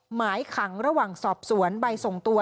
หมายขังระหว่างสอบสวนใบส่งตัว